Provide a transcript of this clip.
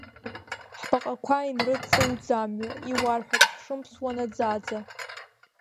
Ҳбаҟақәа инрыдҵа уӡамҩа, иуарҳәап ҳшымԥсуа наӡаӡа.